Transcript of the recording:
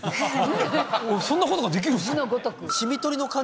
そんなことができるんですか？